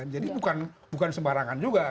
jadi bukan sembarangan juga